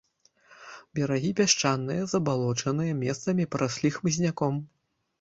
Берагі пясчаныя, забалочаныя, месцамі параслі хмызняком.